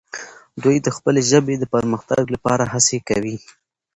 دوی د خپلې ژبې د پرمختګ لپاره هڅې کوي.